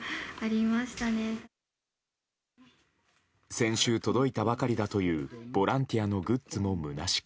先週届いたばかりだというボランティアのグッズもむなしく。